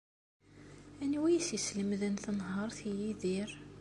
Anwa ay as-yeslemden tanhaṛt i Yidir?